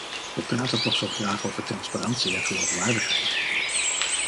We praten toch zo graag over transparantie en geloofwaardigheid.